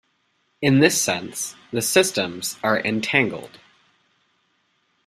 In this sense, the systems are "entangled".